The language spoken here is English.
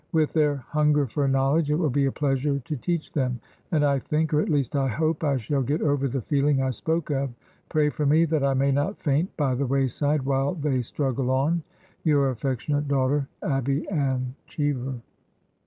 With their hunger for^nowledge, it will be a pleasure to teach them ; and I think— or at least I hope— I shall get over the feeling I spoke of. Pray for me, that I may not faint by the way side while they struggle on. " Yr. aff. daughter, '' Abby Ann Cheever.'